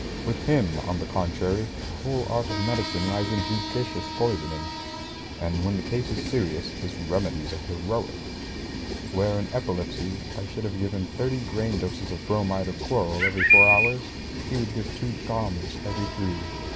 With him, on the contrary, the whole art of medicine lies in judicious poisoning, and when the case is serious, his remedies are heroic. Where, in epilepsy, I should have given thirty grain doses of bromide or chloral every four hours, he would give two drachms every three.